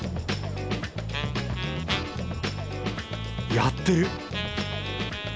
やってる！